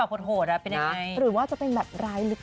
โหดเป็นยังไงหรือว่าจะเป็นแบบร้ายลึก